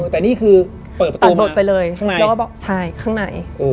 แต่นี่คือเปิดประตูมาข้างในอเรนนี่ตัดบทไปเลยใช่ข้างใน